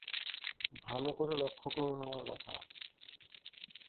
ভালো করে লক্ষ করুন আমার কথা।